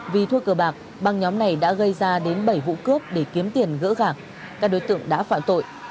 vì thua cờ bạc băng nhóm này đã gây ra đến bảy vụ cướp để kiếm tiền gỡ gạc các đối tượng đã phạm tội